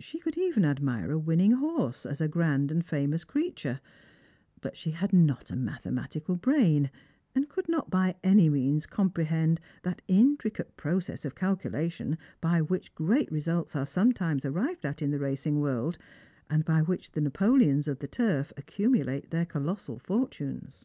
She could even admire a winmng horse as a grand and famous creature ; but she had not a mathematical brain, and could not by any means comprehend that intricate process of calculation by which great results are sometimes arrived at in the racing world, and by which the Napoleons of the turf accumulate their colossal fortunes.